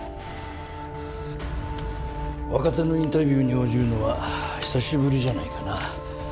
若手のインタビューに応じるのは久しぶりじゃないかな。